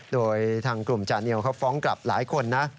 โดยทางกลุ่มจาเนียลเขาฟ้องกลับหลายคนนะ